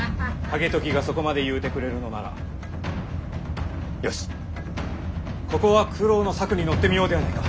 景時がそこまで言うてくれるのならよしここは九郎の策に乗ってみようではないか。